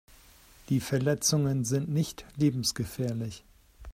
Die Verletzungen sind nicht lebensgefährlich.